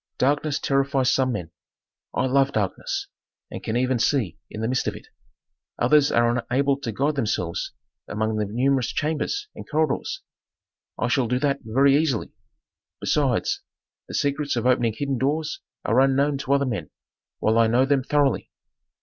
Darkness terrifies some men; I love darkness and can even see in the midst of it. Others are unable to guide themselves among the numerous chambers and corridors; I shall do that very easily. Besides, the secrets of opening hidden doors are unknown to other men, while I know them thoroughly.